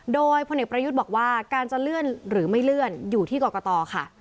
โดยพลเอกประยุทธ์บอกว่าการจะเลื่อนหรือไม่เลื่อนอยู่ที่กรกตค่ะ